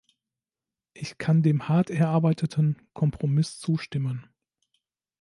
Ich kann dem hart erarbeiteten Kompromiss zustimmen.